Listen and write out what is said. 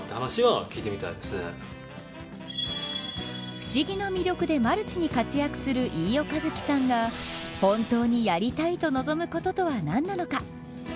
不思議な魅力でマルチに活躍する飯尾和樹さんが本当にやりたいと望むこととは何なのか。